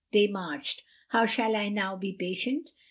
They marched: how shall I now be patient?